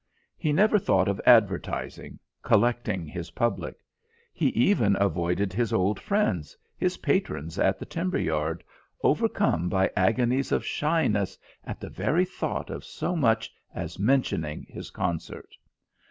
He never thought of advertising, collecting his public; he even avoided his old friends, his patrons at the timber yard, overcome by agonies of shyness at the very thought of so much as mentioning his concert.